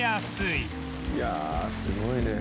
いやあすごいね。